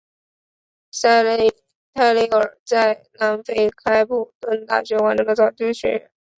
泰累尔在南非开普敦大学完成了早期的学业。